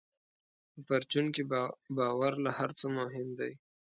په پرچون کې باور له هر څه مهم دی.